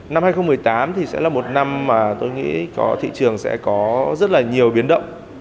năm hai nghìn một mươi tám thì sẽ là một năm mà tôi nghĩ thị trường sẽ có rất là nhiều biến động